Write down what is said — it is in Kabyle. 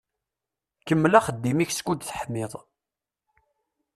Kemmel axeddim-ik skud teḥmiḍ.